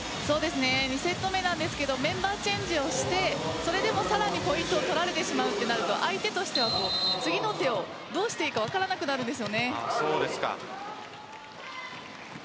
２セット目なんですがメンバーチェンジをしてそれでもさらにポイントを取られてしまうとなると相手としては次の手をどうしていいか分からなくなるんです。